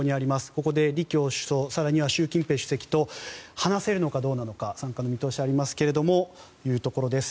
ここで李強首相、更には習近平主席と話せるのかどうか参加の見通しがありますがというところです。